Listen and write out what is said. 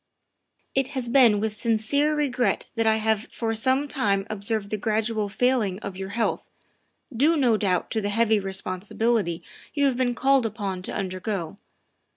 " It has been with sincere regret that 1 have for some time observed the gradual failing of your health, due no doubt to the heavy responsibilities you have been called upon to undergo.